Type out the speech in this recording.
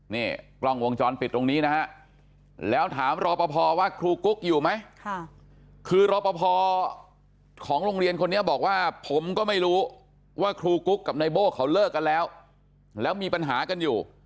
นี่กล้องวงจรปิดตรงนี้นะฮะแล้วถามรอปภว่าครูกุ๊กอยู่ไหมคือรอปภของโรงเรียนคนนี้บอกว่าผมก็ไม่รู้ว่าครูกุ๊กกับนายโบ้เขาเลิกกันแล้วแล้วมีปัญหากันอยู่